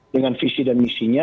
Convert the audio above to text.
dengan visi dan misinya